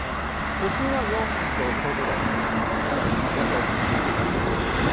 都心は４度ちょうどだったんですけど、全体的に冷え込みが強かったですね。